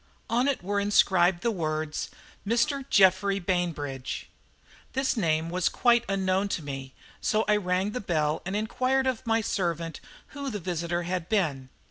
On it were inscribed the words, "Mr. Geoffrey Bainbridge." This name was quite unknown to me, so I rang the bell and inquired of my servant who the visitor had been.